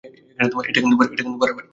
এটা কিন্তু বাড়াবাড়ি।